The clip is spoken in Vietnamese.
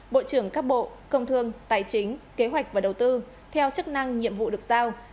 bộ trưởng các bộ công thương tài chính kế hoạch và đầu tư theo chức năng nhiệm vụ được giao